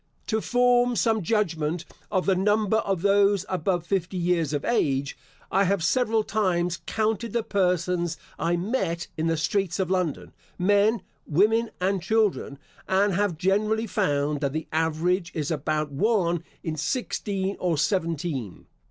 To form some judgment of the number of those above fifty years of age, I have several times counted the persons I met in the streets of London, men, women, and children, and have generally found that the average is about one in sixteen or seventeen.